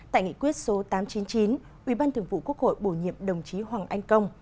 tại nghị quyết số tám trăm chín mươi chín ủy ban thường vụ quốc hội bổ nhiệm đồng chí hoàng anh công